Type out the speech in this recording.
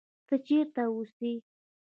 ته چېرې اوسې؟